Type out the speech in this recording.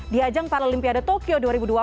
di ajang paralimpiade tokyo dua ribu dua puluh